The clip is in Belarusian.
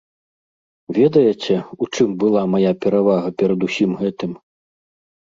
Ведаеце, у чым была мая перавага перад усім гэтым?